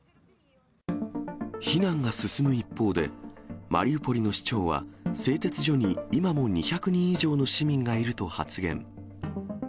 避難が進む一方で、マリウポリの市長は、製鉄所に今も２００人以上の市民がいると発言。